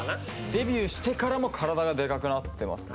デビューしてからもカラダがでかくなってますね。